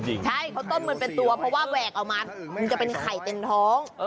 ใช่เขาต้มมันเป็นตัวเพราะว่าแหวกออกมามันจะเป็นไข่เต็มท้อง